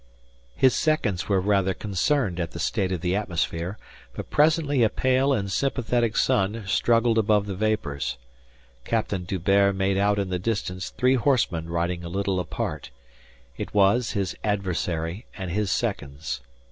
His seconds were rather concerned at the state of the atmosphere, but presently a pale and sympathetic sun struggled above the vapours. Captain D'Hubert made out in the distance three horsemen riding a little apart; it was his adversary and his seconds.